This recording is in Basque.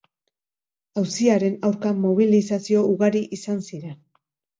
Auziaren aurka, mobilizazio ugari izan ziren.